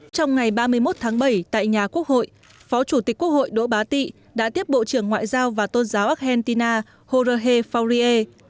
trong ngày ba mươi một tháng bảy tại nhà quốc hội phó chủ tịch quốc hội đỗ bá tị đã tiếp bộ trưởng ngoại giao và tôn giáo argentina jorge faurier